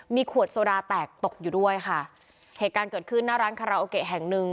มีขวดโซดาแตกตกอยู่ด้วยค่ะเหตุการณ์เกิดขึ้นหน้าร้านคาราโอเกะแห่งหนึ่ง